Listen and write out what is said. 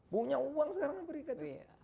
punya uang sekarang afrika tuh